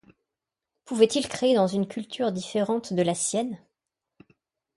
Pouvait-il créer dans une culture différente de la sienne?